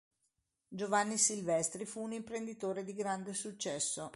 Giovanni Silvestri fu un imprenditore di grande successo.